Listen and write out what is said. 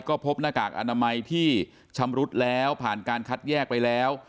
ก็พบหน้ากากอนามัยที่ชำรุดแล้วผ่านการคัดแยกไปแล้ว